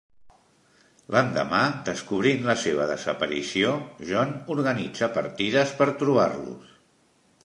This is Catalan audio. L'endemà, descobrint la seva desaparició, John organitza partides per trobar-los.